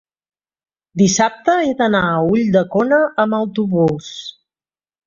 dissabte he d'anar a Ulldecona amb autobús.